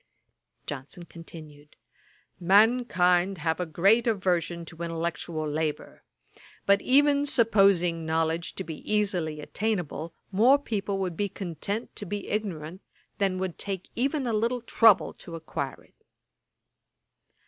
Johnson continued. 'Mankind have a great aversion to intellectual labour; but even supposing knowledge to be easily attainable, more people would be content to be ignorant than would take even a little trouble to acquire it.'